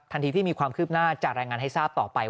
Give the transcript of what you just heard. ที่มีความคืบหน้าจะรายงานให้ทราบต่อไป